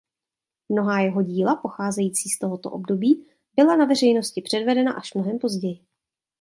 Mnohá jeho díla pocházející z tohoto období byla na veřejnosti předvedena až mnohem později.